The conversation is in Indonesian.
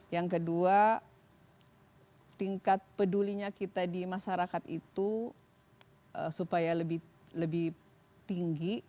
yang kedua tingkat pedulinya kita di masyarakat itu supaya lebih tinggi